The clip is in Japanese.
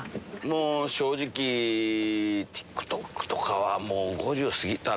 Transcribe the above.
正直ＴｉｋＴｏｋとかは５０過ぎたら。